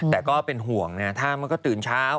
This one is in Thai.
แต่ก็เป็นห่วงนะถ้ามันก็ตื่นเช้า